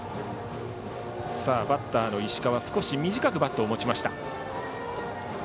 バッターの石川少し短くバットを持ちました。